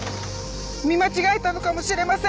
見間違えたのかもしれません。